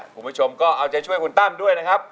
คุณผู้ชมก็เอาใจช่วยคุณตั้มด้วยนะครับ